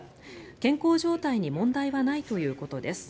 健康状態に問題はないということです。